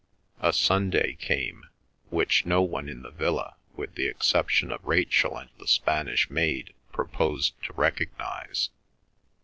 A Sunday came, which no one in the villa with the exception of Rachel and the Spanish maid proposed to recognise.